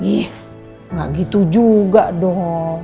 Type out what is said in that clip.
ih gak gitu juga dong